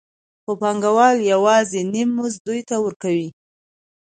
خو پانګوال یوازې نیم مزد دوی ته ورکوي